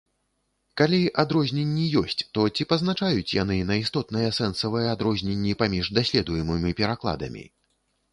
Калі адрозненні ёсць, то ці пазначаюць яны на істотныя сэнсавыя адрозненні паміж даследуемымі перакладамі?